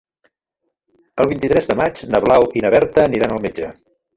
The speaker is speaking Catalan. El vint-i-tres de maig na Blau i na Berta aniran al metge.